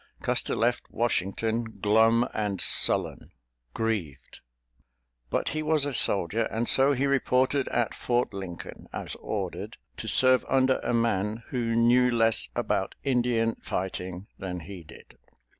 Custer left Washington, glum and sullen—grieved. But he was a soldier, and so he reported at Fort Lincoln, as ordered, to serve under a man who knew less about Indian fighting than did he.